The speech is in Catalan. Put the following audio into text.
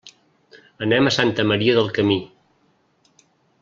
Anem a Santa Maria del Camí.